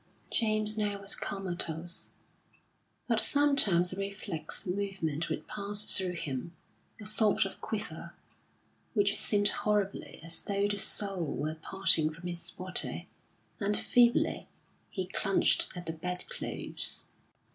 James now was comatose. But sometimes a reflex movement would pass through him, a sort of quiver, which seemed horribly as though the soul were parting from his body; and feebly he clutched at the bed clothes.